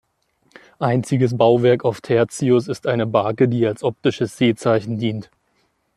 Einziges Bauwerk auf Tertius ist eine Bake, die als optisches Seezeichen dient.